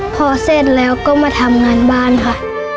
พอเสร็จแล้วก็มาทำงานบ้านค่ะ